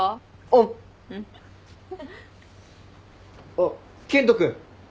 あっ健人君。